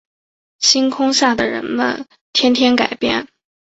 星空下的人们天天改变